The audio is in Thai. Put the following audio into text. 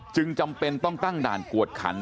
จึงจำเป็นต้องตั้งกวดขัน